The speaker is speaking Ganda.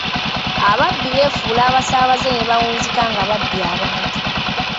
Ababbi beefuula abasaabaze ne bawunzika nga babbye abantu.